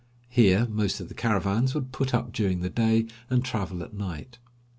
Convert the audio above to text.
Here, most of the caravans would put up during the day, and travel at night.